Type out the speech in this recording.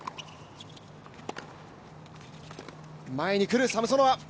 前にくる、サムソノワ。